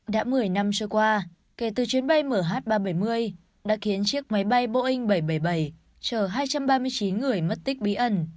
đã một mươi năm trôi qua kể từ chuyến bay mh ba trăm bảy mươi đã khiến chiếc máy bay boeing bảy trăm bảy mươi bảy chờ hai trăm ba mươi chín người mất tích bí ẩn